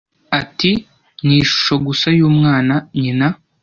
Ati: "Ni ishusho gusa y'umwana, nyina".